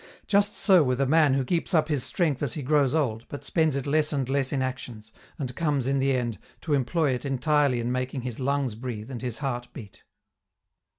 Just so with a man who keeps up his strength as he grows old, but spends it less and less in actions, and comes, in the end, to employ it entirely in making his lungs breathe and his heart beat.